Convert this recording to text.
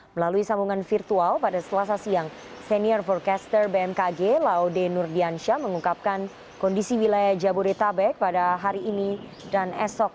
melalui sambungan virtual pada selasa siang senior forecaster bmkg laude nurdiansyah mengungkapkan kondisi wilayah jabodetabek pada hari ini dan esok